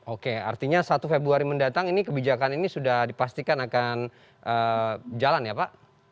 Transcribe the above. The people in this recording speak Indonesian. oke artinya satu februari mendatang ini kebijakan ini sudah dipastikan akan jalan ya pak